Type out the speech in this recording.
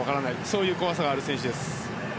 そういう怖さがある選手です。